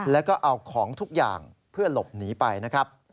แล้วก็เอาของทุกอย่างเพื่อหลบหนีไปนะครับ